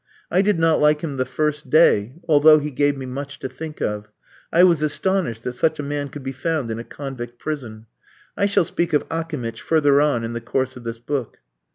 I did not like him the first day, although he gave me much to think of. I was astonished that such a man could be found in a convict prison. I shall speak of Akimitch further on in the course of this book.